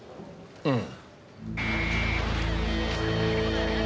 うん。